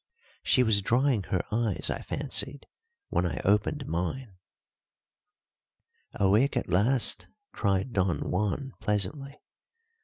She was drying her eyes, I fancied, when I opened mine. "Awake at last!" cried Don Juan pleasantly.